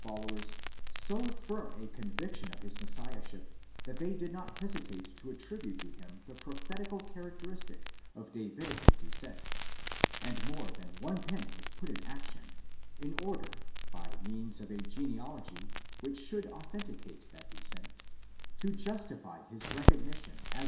followers so firm a conviction of his Messiahship, that they did not hesitate to attribute to him the prophetical characteristic of Davidical descent, and more than one pen was put in action, in order, by means of a genealogy which should authenticate that descent, to justify his recognition as the Messiah.?